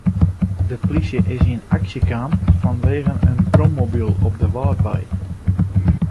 De plysje is yn aksje kaam fanwegen in brommobyl op de Wâldwei.